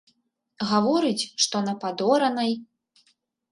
Гаворыць, што на падоранай.